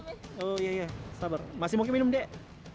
oh iya iya sabar masih mungkin minum dek